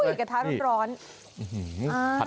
อุ้ยกระทะร้อนร้อน